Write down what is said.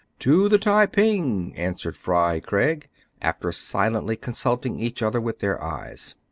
"To the Tai ping! answered Fry Craig, after silently consulting each other with their eyes.